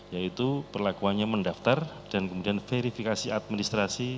yaitu perlakuannya mendaftar dan kemudian verifikasi administrasi